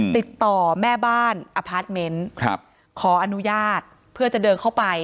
ติดต่อแม่บ้านอพาร์ทเมนต์ขออนุญาตเพื่อจะเดินเข้าไป